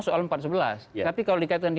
soal empat ratus sebelas tapi kalau dikaitkan dengan